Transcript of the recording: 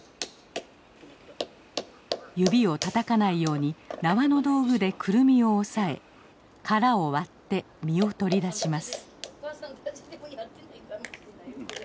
指をたたかないように縄の道具でクルミを押さえ殻を割って実を取り出します。